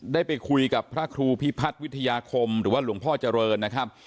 ได้ไปคุยกับพระครูพิพัฒน์วิทยาคมหรือว่าหลวงพ่อเจริญนะครับ